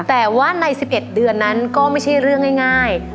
แต่ว่าใน๑๑เดือนนั้นก็ไม่ใช่เรื่องง่าย